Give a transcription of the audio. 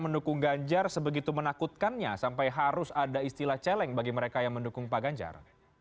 mendukung ganjar sebegitu menakutkannya sampai harus ada istilah celeng bagi mereka yang mendukung pak ganjar